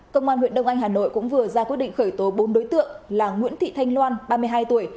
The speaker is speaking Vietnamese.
công an huyện đông anh hà nội cũng vừa ra quyết định khởi tố bốn đối tượng là nguyễn thị thanh loan ba mươi hai tuổi